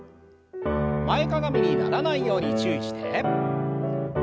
前かがみにならないように注意して。